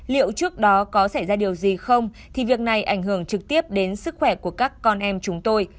liệu trước đó có xảy ra điều gì không thì việc này ảnh hưởng trực tiếp đến sức khỏe của các con em chúng tôi